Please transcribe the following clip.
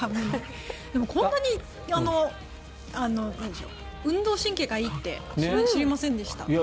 こんなに運動神経がいいって知りませんでした。